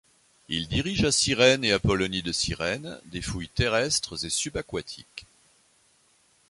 Il dirige à Cyrène et Apollonie de Cyrène des fouilles terrestres et subaquatiques.